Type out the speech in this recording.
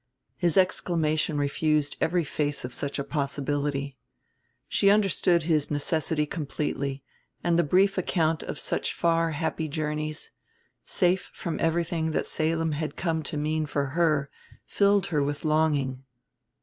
His exclamation refused every face of such a possibility. She understood his necessity completely; and the brief account of such far happy journeys, safe from everything that Salem had come to mean for her, filled her with longing.